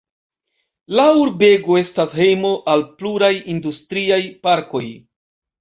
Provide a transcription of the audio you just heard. La urbego estas hejmo al pluraj industriaj parkoj.